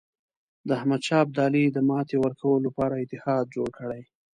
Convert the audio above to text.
د احمدشاه ابدالي ته د ماتې ورکولو لپاره اتحاد جوړ کړي.